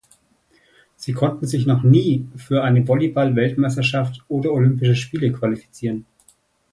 Sie konnten sich noch nie für eine Volleyball-Weltmeisterschaft oder Olympische Spiele qualifizieren.